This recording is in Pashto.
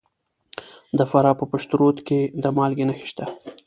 د فراه په پشت رود کې د مالګې نښې شته.